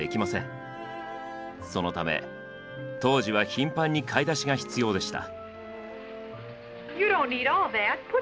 そのため当時は頻繁に買い出しが必要でした。